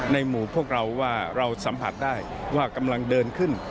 หมู่พวกเราว่าเราสัมผัสได้ว่ากำลังเดินขึ้น